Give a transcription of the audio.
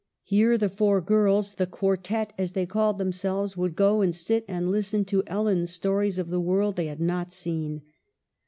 Here the four girls — the "quartette" as they called them selves — would go and sit and listen to Ellen's stories of the world they had not seen.